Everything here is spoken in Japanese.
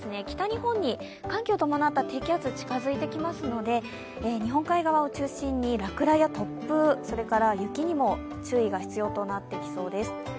北日本に寒気を伴った、低気圧近づいてきますので日本海側を中心に落雷や突風、それから雪にも注意が必要となってきそうです。